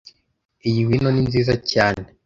Iyi wino ninziza cyane